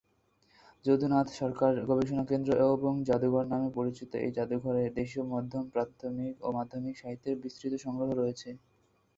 যদুনাথ সরকার গবেষণা কেন্দ্র এবং যাদুঘর নামে পরিচিত এই জাদুঘরে দেশীয় মধ্যম প্রাথমিক ও মাধ্যমিক সাহিত্যের বিস্তৃত সংগ্রহ রয়েছে।